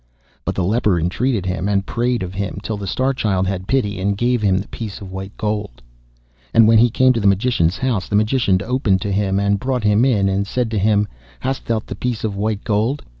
But the leper entreated him, and prayed of him, till the Star Child had pity, and gave him the piece of white gold. And when he came to the Magician's house, the Magician opened to him, and brought him in, and said to him, 'Hast thou the piece of white gold?